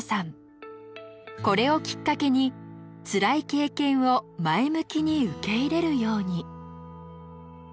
これをきっかけにつらい経験を前向きに受け入れるように。